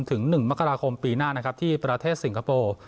ถึง๑มกราคมปีหน้านะครับที่ประเทศสิงคโปร์